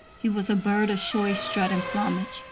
He was a bird of showy strut and plumage.